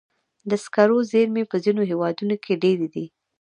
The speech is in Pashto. د سکرو زیرمې په ځینو هېوادونو کې ډېرې دي.